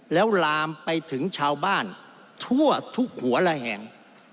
แล้วลามไปถึงชาวบ้านทั่วทุกหัวละแห่ง